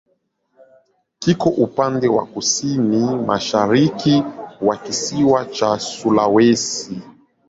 Kiko upande wa kusini-mashariki wa kisiwa cha Sulawesi.